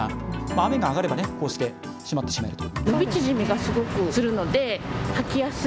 雨が上がればね、こうしてしまってしまえると。